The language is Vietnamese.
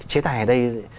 chế tài ở đây